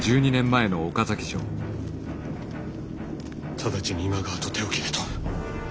直ちに今川と手を切れと。